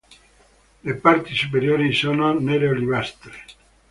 Le parti superiori sono nere-olivastre.